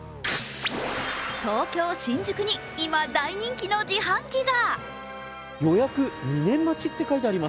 東京・新宿に今、大人気の自販機が。